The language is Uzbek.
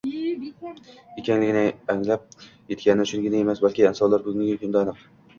ekanligini anglab yetgani uchungina emas, balki insonlar bugungi kunda aniq